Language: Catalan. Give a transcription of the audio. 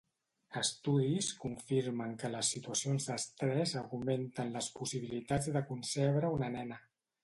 Estudis confirmen que les situacions d'estrès augmenten les possibilitats de concebre una nena.